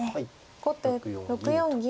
後手６四銀。